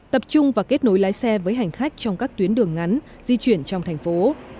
tập trung và kết nối lái xe với hành khách trong các tuyến đường ngắn di chuyển trong thành phố